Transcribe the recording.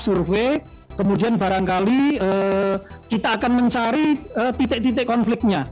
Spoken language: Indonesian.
survei kemudian barangkali kita akan mencari titik titik konfliknya